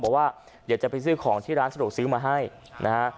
บอกว่าเดี๋ยวจะไปซื้อของที่ร้านสะดวกซื้อมาให้นะฮะ